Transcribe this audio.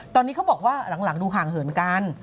ตอนนี้เขาบอกว่าหลังดูห่างเหินกัน